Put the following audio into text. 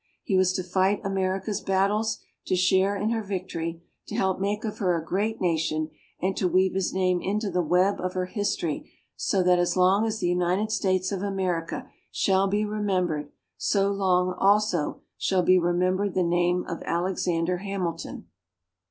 He was to fight America's battles, to share in her victory, to help make of her a great Nation, and to weave his name into the web of her history so that as long as the United States of America shall be remembered, so long also shall be remembered the name of Alexander Hamilton.